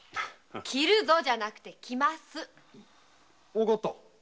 わかった。